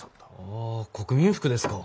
ああ国民服ですか。